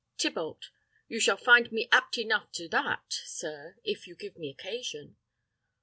Tybalt. You shall find me apt enough to that, sir, if you give me occasion.